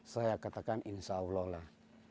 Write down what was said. saya katakan insya allah lah